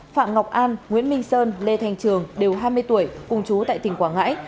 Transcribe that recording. phạm ngọc an nguyễn minh sơn lê thành trường đều hai mươi tuổi cùng chú tại tỉnh quảng ngãi